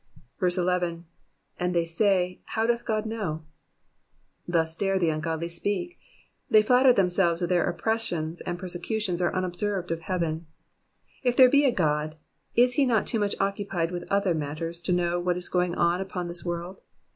11. ^^And they say. Bow doth God knowV Thus dare the ungodly speak. They flatter themselves that their oppressions and persecutions are unobserved of heaven. If there be a God, is he not too much occupied with other matters to know what is going on upon this world